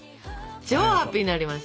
超ハッピーになりました。